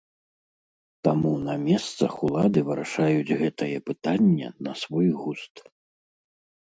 Таму на месцах улады вырашаюць гэтае пытанне на свой густ.